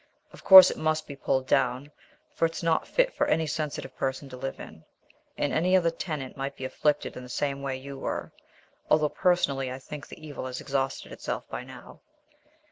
Of course it must be pulled down, for it's not fit for any sensitive person to live in, and any other tenant might be afflicted in the same way you were. Although, personally, I think the evil has exhausted itself by now."